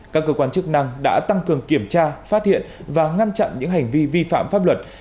các cơ quan chức năng đã tăng cường kiểm tra phát hiện và ngăn chặn những hành vi vi phạm pháp luật